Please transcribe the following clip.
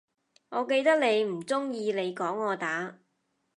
我記得你唔鍾意你講我打